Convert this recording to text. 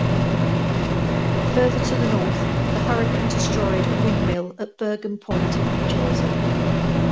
Further to the north, the hurricane destroyed a windmill at Bergen Point, New Jersey.